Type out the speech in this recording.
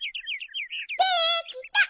できた！